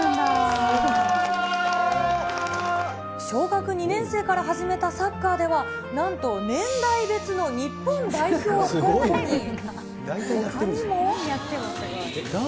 小学２年生から始めたサッカーでは、なんと年代別の日本代表候補に。